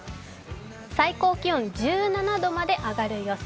最高気温１７度まで上がる予想。